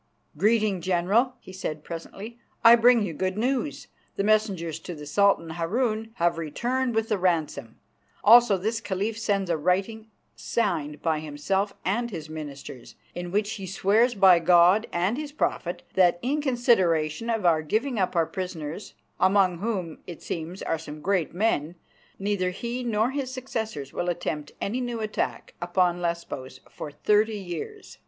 "Greeting, General," he said presently. "I bring you good news. The messengers to the Sultan Harun have returned with the ransom. Also this Caliph sends a writing signed by himself and his ministers, in which he swears by God and His Prophet that in consideration of our giving up our prisoners, among whom, it seems, are some great men, neither he nor his successors will attempt any new attack upon Lesbos for thirty years.